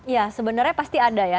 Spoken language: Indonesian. ya sebenarnya pasti ada ya